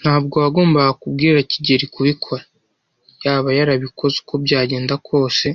Ntabwo wagombaga kubwira kigeli kubikora. Yaba yarabikoze uko byagenda kose.